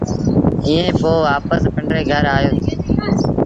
ائيٚݩ پو وآپس پنڊري گھر آيوس۔